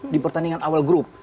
di pertandingan awal grup